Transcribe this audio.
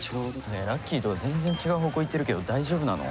ねえラッキーとは全然違う方向行ってるけど大丈夫なの？